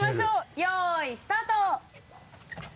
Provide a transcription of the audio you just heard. よいスタート。